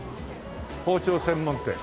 包丁専門店。